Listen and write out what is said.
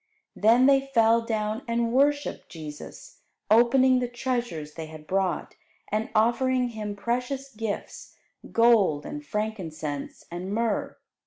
Then they fell down and worshipped Jesus, opening the treasures they had brought, and offering Him precious gifts, gold and frankincense and myrrh.